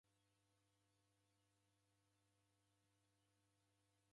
Ndedimkunde omoni anduangi.